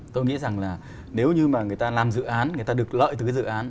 tôi nghĩ rằng là nếu như mà người ta làm dự án người ta được lợi từ cái dự án